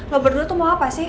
lo berdua tuh mau apa sih